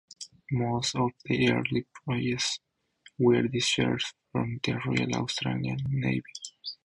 Most of the early employees were discharged from the Royal Australian Navy.